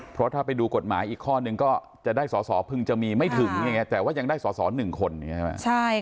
เพราะถ้าไปดูกฎหมายอีกข้อนึงก็จะได้สอสอพึงจะมีไม่ถึงแต่ว่ายังได้สอสอหนึ่งคนอย่างนี้ใช่ไหม